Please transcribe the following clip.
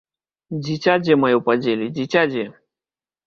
Дзіця дзе маё падзелі, дзіця дзе?